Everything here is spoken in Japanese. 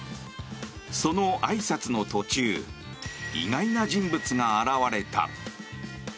そのあいさつの途中意外な人物が現れた。